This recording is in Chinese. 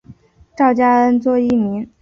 赵佳恩作艺名。